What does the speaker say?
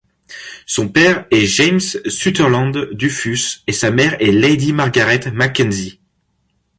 Son père est James Sutherland, Duffus, et sa mère est Lady Margaret MacKenzie.